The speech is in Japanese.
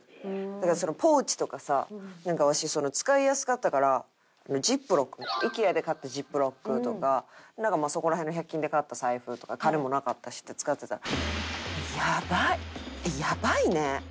だからポーチとかさなんかワシ使いやすかったからジップロックＩＫＥＡで買ったジップロックとかなんかそこら辺の１００均で買った財布とか金もなかったしって使ってたら。